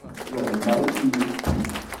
Wehmeɣ isem-is.